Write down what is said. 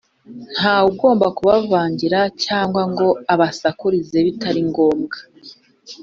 Nta we ugomba kubavangira cyangwa ngo abasakurize bitari ngombwa